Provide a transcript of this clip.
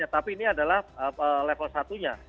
tapi ini adalah level satu nya